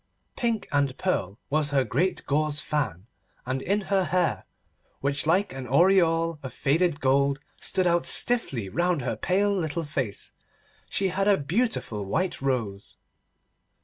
Pink and pearl was her great gauze fan, and in her hair, which like an aureole of faded gold stood out stiffly round her pale little face, she had a beautiful white rose.